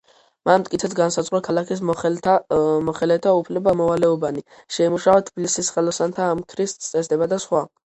მან მტკიცედ განსაზღვრა ქალაქის მოხელეთა უფლება-მოვალეობანი, შეიმუშავა თბილისის ხელოსანთა ამქრის წესდება და სხვა.